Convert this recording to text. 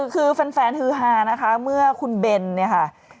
คือแฟนฮือฮานะคะเมื่อคุณเบนเนี่ยค่ะ